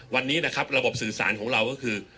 วันนี้นะครับระบบสื่อสารของเราก็คือ